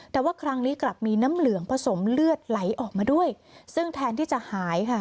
แต่ว่าครั้งนี้กลับมีน้ำเหลืองผสมเลือดไหลออกมาด้วยซึ่งแทนที่จะหายค่ะ